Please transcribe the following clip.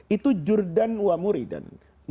itu jordan wa muridan